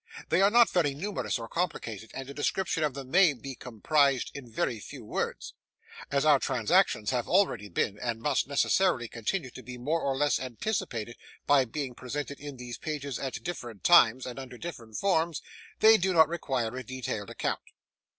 They are not very numerous or complicated, and a description of them may be comprised in very few words. As our transactions have already been, and must necessarily continue to be, more or less anticipated by being presented in these pages at different times, and under various forms, they do not require a detailed account.